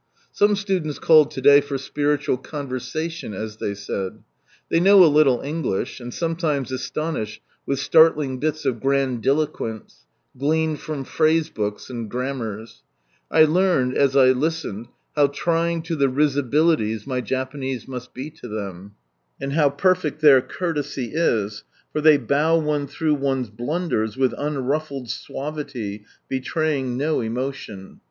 Some students called to day for " spiritual conversation," as they said. They know a little English and sometimes astonish with startling bits of grandiloquence, JIV iLovt f»( l.'.i flsMi fhsloid /or your .lilidaliat ■ gleaned from phrase books and grammars. I learned, as I listened, how trying to the risibilities my Japanese must be to them, and how perfect their courtesy is, for they bow one through one's blunders with unruffled suavity, betraying no emotion.